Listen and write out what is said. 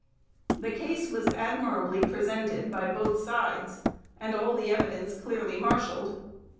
The case was admirably presented by both sides, and all the evidence clearly marshalled.